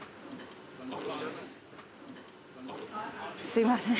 すいません。